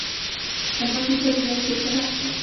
Com va fer servir el seu caràcter?